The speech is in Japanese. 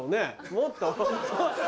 もっと。